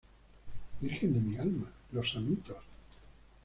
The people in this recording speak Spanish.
¡ virgen de mi alma! ¡ los amitos!